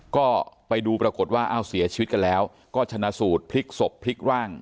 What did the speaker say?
ก็ไปดูปรากฏว่าเอ้าเสียชีวิตกันแล้วก็ชนะสูตรพลิกศพพลิกร่าง